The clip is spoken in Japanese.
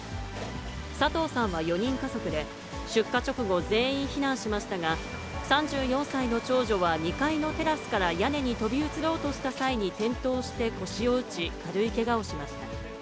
佐藤さんは４人家族で、出火直後、全員避難しましたが、３４歳の長女は２階のテラスから屋根に飛び移ろうとした際に転倒して腰を打ち、軽いけがをしました。